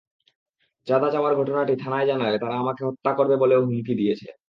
চাঁদা চাওয়ার ঘটনাটি থানায় জানালে তারা আমাকে হত্যা করবে বলেও হুমকি দিয়েছে।